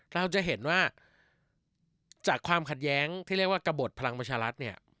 เราจะเห็นว่าจากความขัดแย้งที่เรียกว่ากระบดพลังประชารัฐเนี่ย